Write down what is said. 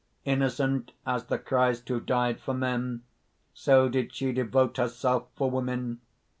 "Innocent as the Christ who died for men, so did she devote herself for women.